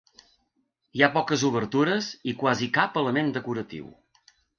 Hi ha poques obertures i quasi cap element decoratiu.